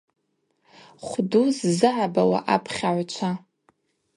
Хвду ззыгӏбауа апхьагӏвчва!